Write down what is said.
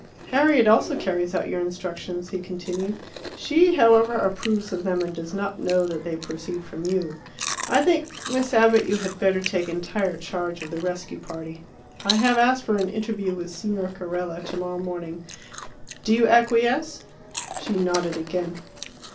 "Harriet also carries out your instructions," he continued. "She, however, approves of them, and does not know that they proceed from you. I think, Miss Abbott, you had better take entire charge of the rescue party. I have asked for an interview with Signor Carella tomorrow morning. Do you acquiesce?" She nodded again.